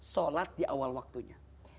sholat di awal waktunya